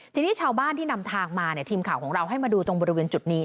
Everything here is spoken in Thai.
ทีนี้ชาวบ้านที่นำทางมาทีมข่าวของเราให้มาดูตรงบริเวณจุดนี้